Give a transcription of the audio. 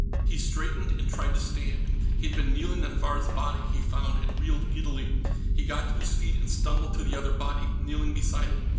He straightened and tried to stand he had been kneeling on Vahr's body, he found and reeled giddily. He got to his feet and stumbled to the other body, kneeling beside it.